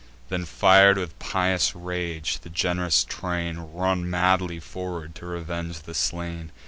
Then, fir'd with pious rage, the gen'rous train Run madly forward to revenge the slain.